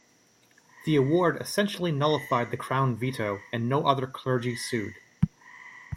The award essentially nullified the Crown veto, and no other clergy sued.